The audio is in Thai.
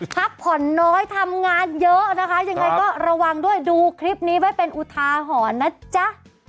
พักผ่อนน้อยทำงานเยอะนะคะยังไงก็ระวังด้วยดูคลิปนี้ไว้เป็นอุทาหรณ์นะจ๊ะ